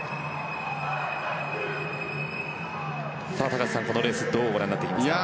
高橋さん、このレースどうご覧になりますか？